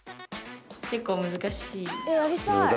結構難しいです。